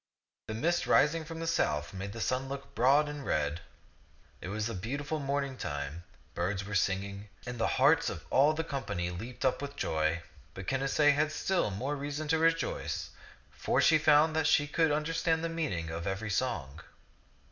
The mist rising from the south made the sun look broad and red. It was the beautiful morning time; birds were singing, and the hearts of all the company leaped up with joy; but Canacee had still more reason to rejoice, for she found that she could understand the meaning of every song.